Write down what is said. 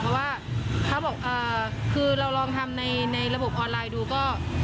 เพราะว่าเขาบอกคือเราลองทำในระบบออนไลน์ดูก็